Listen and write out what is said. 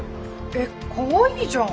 えっかわいいじゃん。